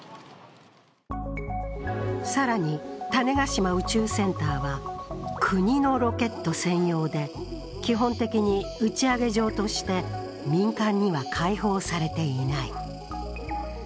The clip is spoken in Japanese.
更に種子島宇宙センターは、国のロケット専用で基本的に打ち上げ場として民間には開放されていない。